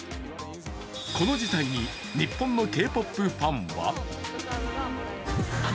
この事態に日本のＫ−ＰＯＰファンは？